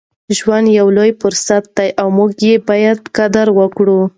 ژوند یو لوی فرصت دی او موږ یې باید قدر وکړو.